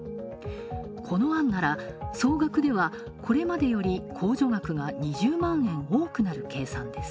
この案なら、総額ではこれまでより控除額が２０万円多くなる計算です。